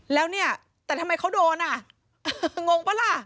แล้วเนี่ยแต่ทำไมเขาโดนอ่ะงงป่ะล่ะ